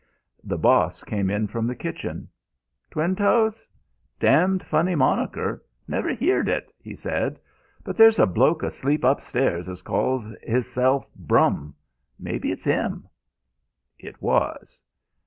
The Boss came in from the kitchen. "Twinetoes? Damned funny moniker! Never 'eerd it," he said. "But there's a bloke asleep upstairs as calls 'isself Brum. Mebbe it's 'im." It was.